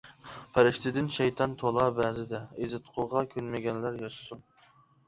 پەرىشتىدىن شەيتان تولا بەزىدە، ئېزىتقۇغا كۆنمىگەنلەر ياشىسۇن!